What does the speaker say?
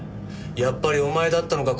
「やっぱりお前だったのか。